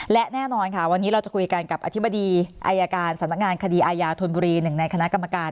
และแน่นอนค่ะวันนี้เราจะคุยกันกับอธิบดีอายการสำนักงานคดีอายาธนบุรีหนึ่งในคณะกรรมการ